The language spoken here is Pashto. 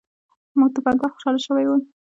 دوکاندار خوشاله شوی و.